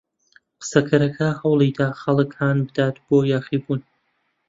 قسەکەرەکە هەوڵی دا خەڵک هان بدات بۆ یاخیبوون.